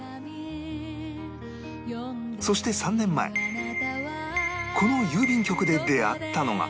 そして３年前この郵便局で出会ったのが